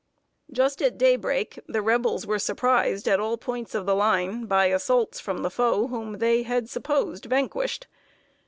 Just at day break, the Rebels were surprised at all points of the line by assaults from the foe whom they had supposed vanquished.